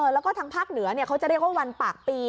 แล้วก็ทางภาคเหนือเขาจะเรียกว่าวันปากปี